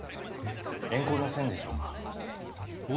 怨恨の線でしょうか？